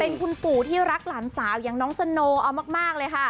เป็นคุณปู่ที่รักหลานสาวอย่างน้องสโนเอามากเลยค่ะ